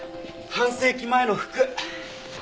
半世紀前の服？